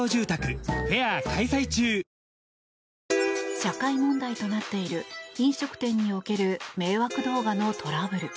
社会問題となっている飲食店における迷惑動画のトラブル。